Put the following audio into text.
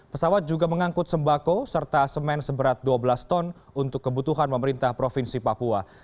pesawat juga mengangkut sembako serta semen seberat dua belas ton untuk kebutuhan pemerintah provinsi papua